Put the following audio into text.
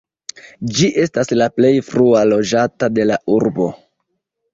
Ĝi estas la plej frua loĝata de la urbo.